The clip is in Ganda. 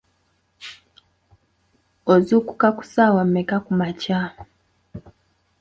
Ozuukuka ku ssaawa mmeka kumakya?